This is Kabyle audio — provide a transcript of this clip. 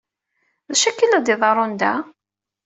D acu akka ay la iḍerrun da?